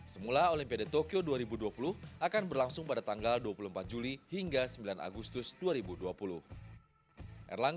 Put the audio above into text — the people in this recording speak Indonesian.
semula olimpiade tokyo dua ribu dua puluh akan menjadi tahun yang paling menarik untuk para atlet indonesia